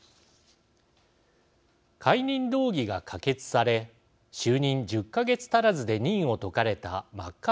解任動議が可決され就任１０か月足らずで任を解かれたマッカーシー前下院議長。